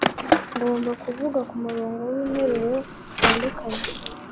Ngomba kuvuga kumurongo winteruro zitandukanye